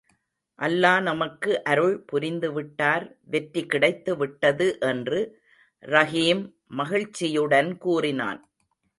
அல்லா நமக்கு அருள் புரிந்துவிட்டார் வெற்றி கிடைத்துவிட்டது என்று ரஹீம் மகிழ்ச்சியுடன் கூறினான்.